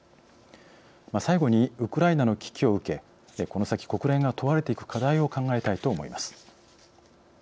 最後にウクライナの危機を受けこの先国連が問われていく課題を考えたいと思います。